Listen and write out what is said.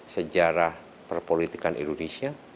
sejarah perpolitikan indonesia